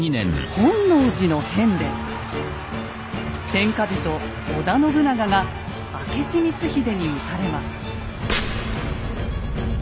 天下人・織田信長が明智光秀に討たれます。